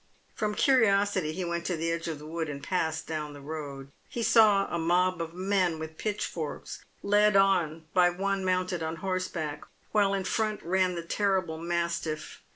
Prom curiosity, he went to the edge of the wood and passed down the road. He saw a mob of men with pitchforks, led on by one mounted on horseback, while in front ran the terrible mastiff.